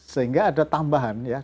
sehingga ada tambahan ya